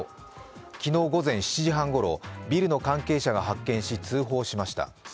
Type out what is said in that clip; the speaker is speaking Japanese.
昨日午前７時半ごろ、ビルの関係者が発見し通報しました。